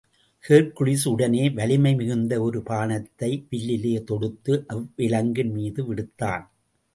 Hercules உடனே வலிமை மிகுந்த ஒரு பானத்தை வில்லிலே தொடுத்து, அவ்விலங்கின் மீது விடுத்தான்.